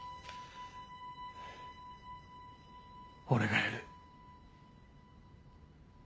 俺が殺る。